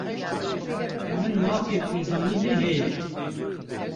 Min mafê pêzanînê heye.